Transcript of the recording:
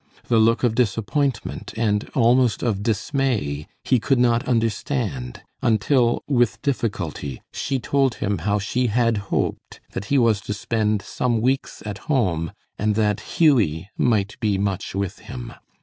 The look of disappointment and almost of dismay he could not understand until, with difficulty, she told him how she had hoped that he was to spend some weeks at home and that Hughie might be much with him.